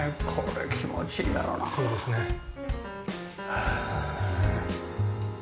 へえ。